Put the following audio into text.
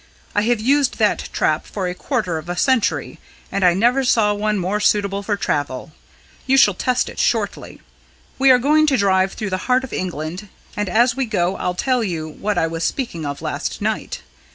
I have used that trap for a quarter of a century, and I never saw one more suitable for travel. You shall test it shortly. We are going to drive through the heart of England; and as we go I'll tell you what I was speaking of last night.